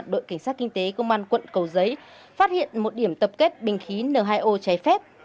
đội cảnh sát kinh tế công an quận cầu giấy phát hiện một điểm tập kết bình khí n hai o trái phép